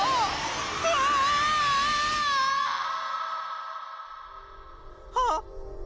うわ！はっ！